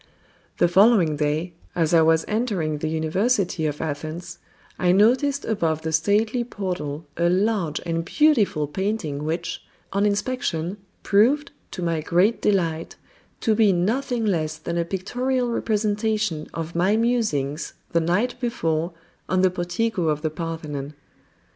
The following day, as I was entering the University of Athens, I noticed above the stately portal a large and beautiful painting which, on inspection, proved, to my great delight, to be nothing less than a pictorial representation of my musings the night before on the portico of the Parthenon.